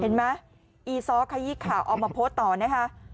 เห็นไหมอีซ้อขยี้ข่าวเอามาโพสต์ต่อนะคะ